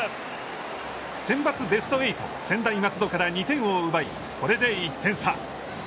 センバツベスト８、専大松戸から２点を奪い、これで１点差。